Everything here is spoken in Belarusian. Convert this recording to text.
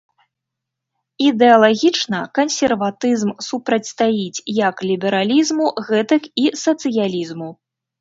Ідэалагічна кансерватызм супрацьстаіць як лібералізму, гэтак і сацыялізму.